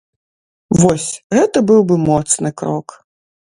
Вось, гэта быў бы моцны крок!